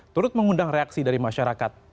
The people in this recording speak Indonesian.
turut mengundang reaksi dari masyarakat